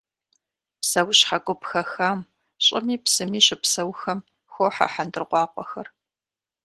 Псэущхьэ гуп хэхам, щӏыми псыми щыпсэухэм, хохьэ хьэндыркъуакъуэхэр.